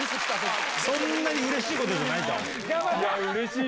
そんなにうれしいことじゃない。